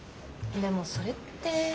でもそれって。